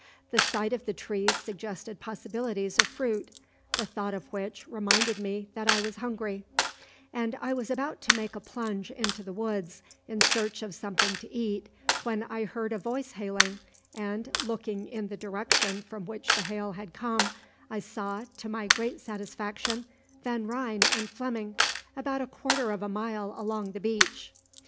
The sight of the trees suggested possibilities of fruit, the thought of which reminded me that I was hungry; and I was about to make a plunge into the woods in search of something to eat when I heard a voice hailing, and, looking in the direction from which the hail had come, I saw, to my great satisfaction, Van Ryn and Fleming, about a quarter of a mile along the beach.